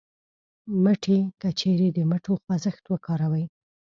مټې : که چېرې د مټو خوځښت وکاروئ